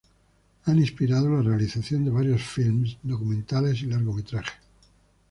Han inspirado la realización de varios filmes documentales y largometrajes.